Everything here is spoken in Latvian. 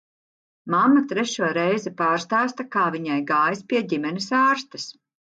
Mamma trešo reizi pārstāsta, kā viņai gājis pie ģimenes ārstes.